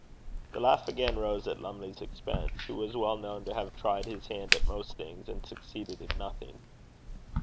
The laugh again rose at Lumley's expense, who was well known to have tried his hand at most things, and succeeded in nothing.